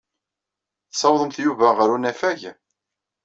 Tessawḍemt Yuba ɣer unafag?